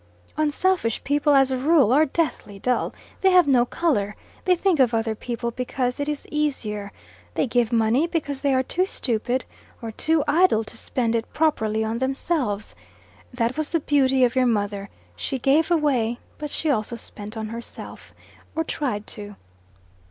"Unselfish people, as a rule, are deathly dull. They have no colour. They think of other people because it is easier. They give money because they are too stupid or too idle to spend it properly on themselves. That was the beauty of your mother she gave away, but she also spent on herself, or tried to."